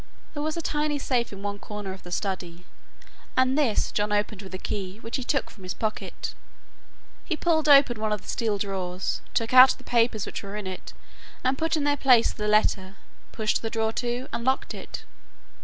There was a tiny safe in one corner of the study and this John opened with a key which he took from his pocket. He pulled open one of the steel drawers, took out the papers which were in it and put in their place the letter, pushed the drawer to, and locked it.